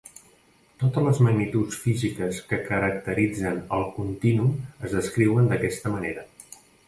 Totes les magnituds físiques que caracteritzen el continu es descriuen d'aquesta manera.